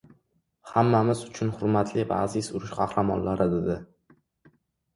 — Hammamiz uchun hurmatli va aziz urush qahramonlari! — dedi.